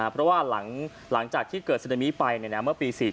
เพราะว่าหลังจากที่เกิดซึนามิไปเมื่อปี๔๔